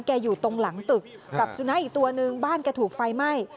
อยู่ตรงหลังตึกกับสุนัขอีกตัวนึงบ้านแกถูกไฟไหม้